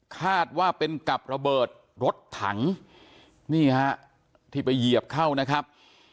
คาดว่าเป็นกับระเบิดรถถังนี่ฮะที่ไปเหยียบเข้านะครับ